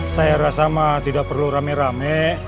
saya rasa tidak perlu rame rame